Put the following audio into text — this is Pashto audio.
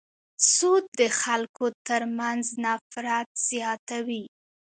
سود د خلکو تر منځ نفرت زیاتوي.